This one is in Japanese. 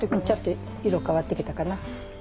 ちょっと色変わってきたかな。